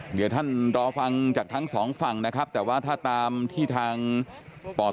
เดี๋ยวท่านรอฟังจากทั้งสองฝั่งนะครับแต่ว่าถ้าตามที่ทางปศ